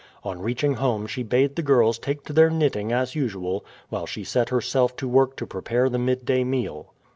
On reaching home she bade the girls take to their knitting as usual, while she set herself to work to prepare the midday meal.